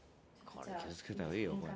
「気を付けた方がいいよこれ」